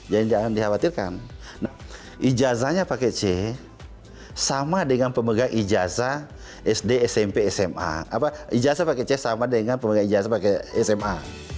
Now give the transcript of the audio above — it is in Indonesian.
jangan jangan dikhawatirkan ijazanya paket c sama dengan pemegang ijazah sd smp sma